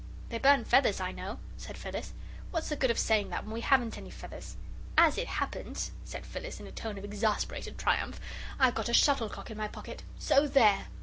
"They burn feathers, I know," said Phyllis. "What's the good of saying that when we haven't any feathers?" "As it happens," said Phyllis, in a tone of exasperated triumph, "I've got a shuttlecock in my pocket. So there!"